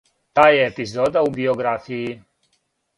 Та је епизода у биографији